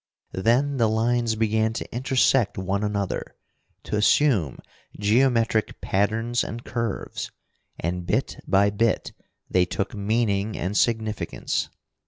Then the lines began to intersect one another, to assume geometric patterns and curves. And bit by bit they took meaning and significance.